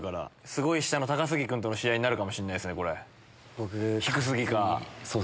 すごい下の高杉君との試合になるかもしれないですね。